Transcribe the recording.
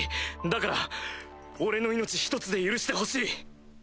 だから俺の命ひとつで許してほしい！